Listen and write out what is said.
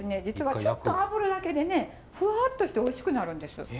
実はちょっとあぶるだけでねフワッとしておいしくなるんです。